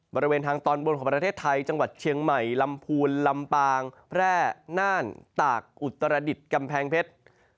บริเวณทางตอนบนของประเทศไทยจังหวัดเชียงใหม่ลำพูนลำปางแพร่น่านตากอุตรดิษฐ์กำแพงเพชร